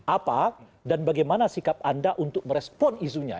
apa dan bagaimana sikap anda untuk merespon isunya